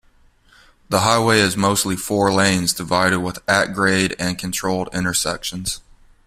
The highway is mostly four lanes, divided with at-grade and controlled intersections.